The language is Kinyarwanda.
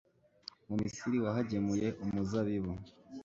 mu misiri wahagemuye umuzabibu